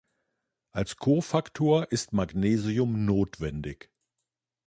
Als Kofaktor ist Magnesium notwendig.